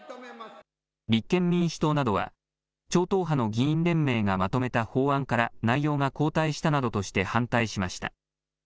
立憲民主党などは超党派の議員連盟がまとめた法案から内容が後退したなどとして反対しました。